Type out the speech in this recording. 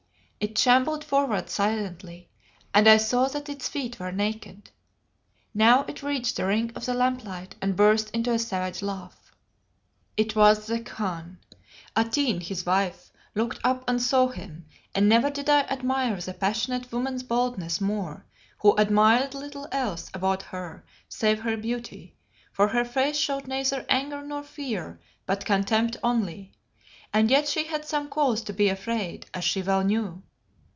it shambled forward silently, and I saw that its feet were naked. Now it reached the ring of the lamplight and burst into a savage laugh. It was the Khan. Atene, his wife, looked up and saw him, and never did I admire that passionate woman's boldness more, who admired little else about her save her beauty, for her face showed neither anger nor fear, but contempt only. And yet she had some cause to be afraid, as she well knew.